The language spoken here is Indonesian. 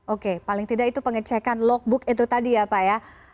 oke paling tidak itu pengecekan logbook itu tadi ya pak ya